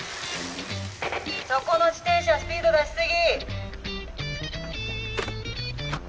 そこの自転車スピード出し過ぎ！